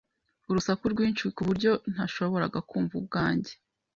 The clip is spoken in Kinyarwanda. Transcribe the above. Urusaku rwinshi kuburyo ntashoboraga kumva ubwanjye.